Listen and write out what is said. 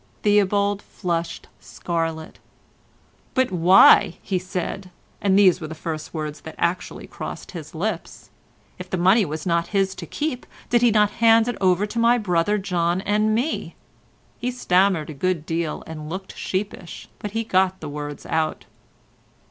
Theobald flushed scarlet. "But why," he said, and these were the first words that actually crossed his lips—"if the money was not his to keep, did he not hand it over to my brother John and me?" He stammered a good deal and looked sheepish, but he got the words out.